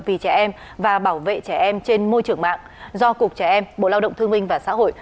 vì trẻ em và bảo vệ trẻ em trên môi trường mạng do cục trẻ em bộ lao động thương minh và xã hội